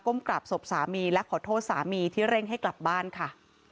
กราบศพสามีและขอโทษสามีที่เร่งให้กลับบ้านค่ะ